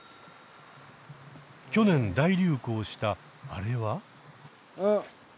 去年大流行したあれは？